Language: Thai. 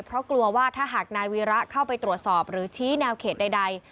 เพราะกลัวว่าถ้าหากนายวีระเข้าไปตรวจสอบหรือชี้แนวเขตใด